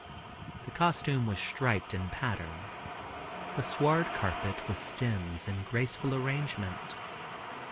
The costume was striped in pattern. The sward carpet was stems in graceful arrangement.